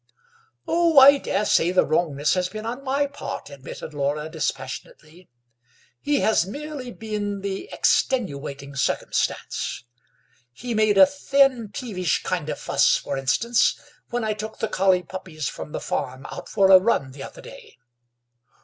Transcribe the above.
"Oh, I daresay the wrongness has been on my part," admitted Laura dispassionately; "he has merely been the extenuating circumstance. He made a thin, peevish kind of fuss, for instance, when I took the collie puppies from the farm out for a run the other day."